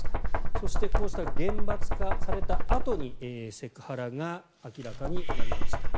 そしてこうした厳罰化されたあとにセクハラが明らかになりました。